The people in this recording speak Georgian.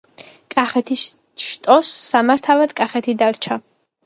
კახეთის შტოს სამართავად კახეთი დარჩა.